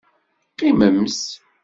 Qqimemt!